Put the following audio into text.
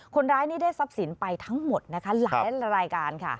คนร้ายนี้ได้ทรัพย์สินไปทั้งหมดนะคะหลายรายการค่ะ